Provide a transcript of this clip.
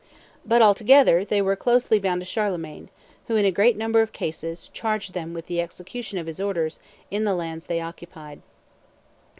But, altogether, they were closely bound to Charlemagne, who, in a great number of cases, charged them with the execution of his orders in the lands they occupied.